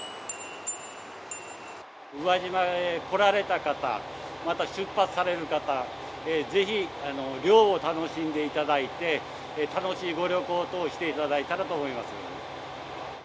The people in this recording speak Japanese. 宇和島へ来られた方、また出発される方、ぜひ涼を楽しんでいただいて、楽しいご旅行としていただけたらと思います。